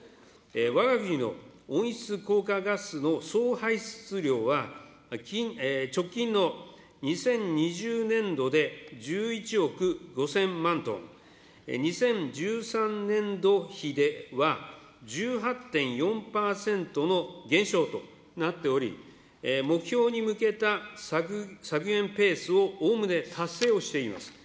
わが国の温室効果ガスの総排出量は直近の２０２０年度で１１億５０００万トン、２０１３年度比では１８．４％の減少となっており、目標に向けた削減ペースをおおむね達成をしています。